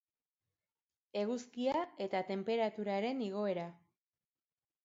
Eguzkia eta tenperaturaren igoera.